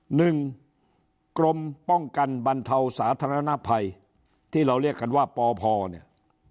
หนึ่งกรมป้องกันบรรเทาสาธารณภัยที่เราเรียกกันว่าปพเนี่ย